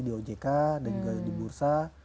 di ojk dan juga di bursa